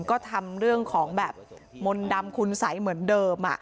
ก็ทำเรื่องของแบบมนต์ดำคุณสัยเหมือนเดิม